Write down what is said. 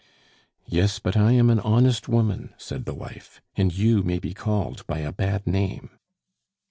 "Yes, but I am an honest woman," said the wife, "and you may be called by a bad name."